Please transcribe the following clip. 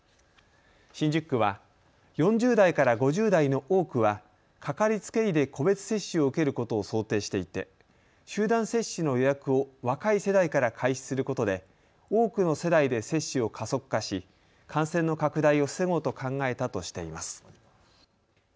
新宿区は４０代から５０代の多くは掛かりつけ医で個別接種を受けることを想定していて集団接種の予約を若い世代から開始することで多くの世代で接種を加速化し感染の拡大を防ごうと考えたとしています。